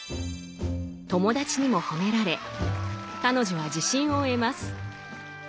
友達にも褒められ彼女は自信を得ます。